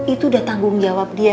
itu udah tanggung jawab dia